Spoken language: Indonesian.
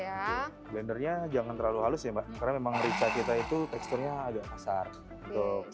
oke blendernya jangan terlalu halus ya mbak karena memang rica kita itu teksturnya agak kasar untuk